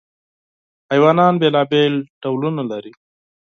حیوانات بېلابېل ډولونه لري.